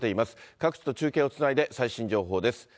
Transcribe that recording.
各地と中継をつないで、最新情報です。